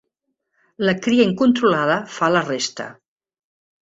La cria incontrolada fa la resta.